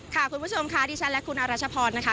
คุณผู้ชมค่ะดิฉันและคุณอรัชพรนะคะ